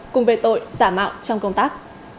cùng về tội giả mạo trong công tác